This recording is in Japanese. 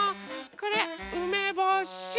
これうめぼし。